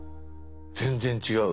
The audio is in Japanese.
全然違う！